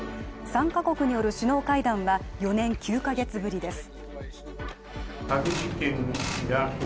３カ国による首脳会談は４年９カ月ぶりです。